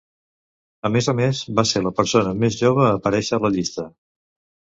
A més a més, va ser la persona més jove a aparèixer a la llista.